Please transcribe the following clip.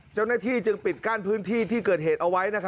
เจ้าหน้าที่จึงปิดกั้นพื้นที่ที่เกิดเหตุเอาไว้